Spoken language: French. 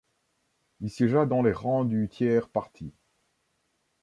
Il siégea dans les rangs du Tiers Parti.